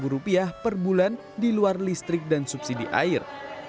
rp lima per bulan di luar listrik dan subsidi air